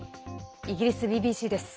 イギリスＢＢＣです。